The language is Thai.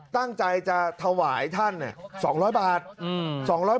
ตั้งใจจะถวายท่านเนี่ย